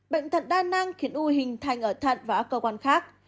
bệnh thật đa năng khiến u hình thành ở thận và ở cơ quan khác